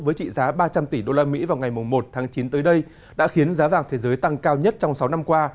với trị giá ba trăm linh tỷ usd vào ngày một tháng chín tới đây đã khiến giá vàng thế giới tăng cao nhất trong sáu năm qua